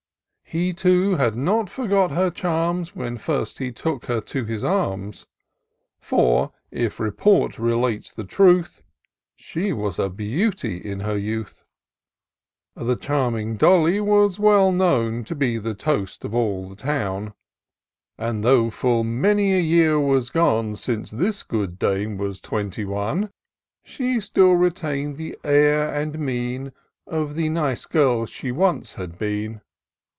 He too had not forgot her charms, When first he took her to his arms ; For, if report relates the truth. She was a beauty in her youth : The charming Dolly was well known To be the toast of all the town ; And, though full many a year was gone. Since this good dame was twenty one, She still retain'd the air and mien Of the nice girl she once had been.